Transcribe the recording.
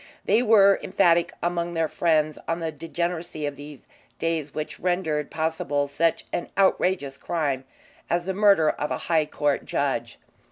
They were emphatic among their friends on the degeneracy of these days which rendered possible such an outrageous crime as the murder of a High Court judge.